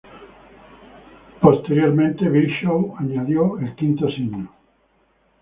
Posteriormente Virchow añadió el quinto signo.